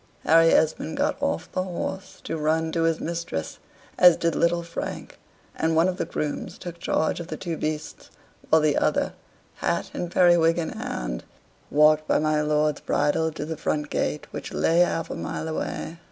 Harry Esmond got off the horse to run to his mistress, as did little Frank, and one of the grooms took charge of the two beasts, while the other, hat and periwig in hand, walked by my lord's bridle to the front gate, which lay half a mile away.